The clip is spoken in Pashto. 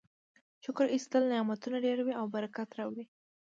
شکر ایستل نعمتونه ډیروي او برکت راوړي.